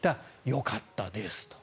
よかったですと。